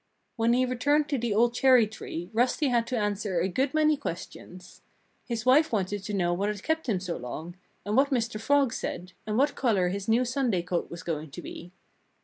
When he returned to the old cherry tree Rusty had to answer a good many questions. His wife wanted to know what had kept him so long, and what Mr. Frog said, and what color his new Sunday coat was going to be.